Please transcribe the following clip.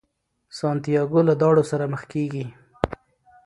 سانتیاګو له داړو سره مخ کیږي.